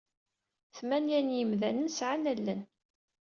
Tmanya n yimdanen sɛan allen.